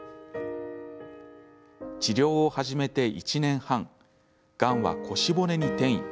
治療を始めて１年半がんは腰骨に転移。